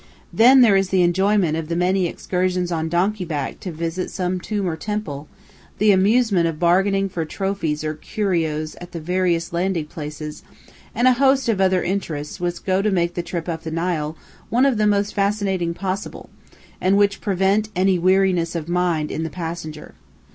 Then there is the enjoyment of the many excursions on donkey back to visit some tomb or temple, the amusement of bargaining for trophies or curios at the various landing places, and a host of other interests which go to make the trip up the Nile one of the most fascinating possible, and which prevent any weariness of mind in the passenger.